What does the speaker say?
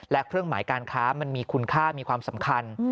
และเครื่องหมายการค้ามันมีคุณค่ามีความสำคัญ